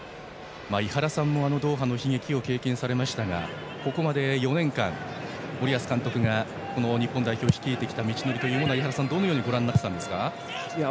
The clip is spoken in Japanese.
井原さんもドーハの悲劇を経験しましたがここまで４年間森保監督が日本代表を率いてきた道のりはどのようにご覧になってましたか。